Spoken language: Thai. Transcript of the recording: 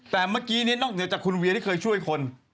แต่เมื่อกี้นี้นอกเหนือจากคุณเวียที่เคยช่วยคน